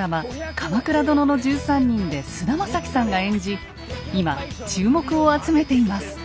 「鎌倉殿の１３人」で菅田将暉さんが演じ今注目を集めています。